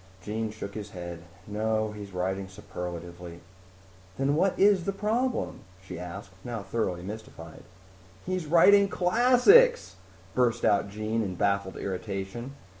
Jean shook his head. "No, he's writing superlatively." "Then what is the problem?" she asked, now thoroughly mystified. "He's writing classics!" burst out Jean in baffled irritation.